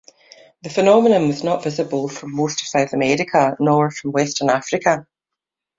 The phenomenon was not visible from most of South America, nor from western Africa.